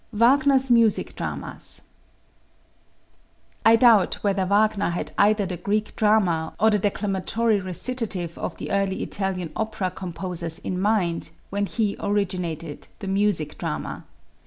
Wagner's Music Dramas. I doubt whether Wagner had either the Greek drama or the declamatory recitative of the early Italian opera composers in mind when he originated the music drama.